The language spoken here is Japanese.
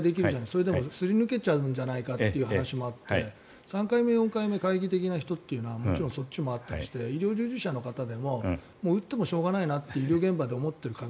それをすり抜けちゃうんじゃないかという話もあって３回目、４回目懐疑的な人はもちろんそっちもあったりして医療従事者の方でも打ってもしょうがないなって医療現場で思っている方